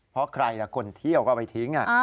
เพราะใครล่ะคนเที่ยวก็เอาไปทิ้ง